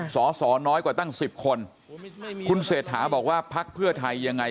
สอสอน้อยกว่าตั้ง๑๐คนคุณเศรษฐาบอกว่าพักเพื่อไทยยังไง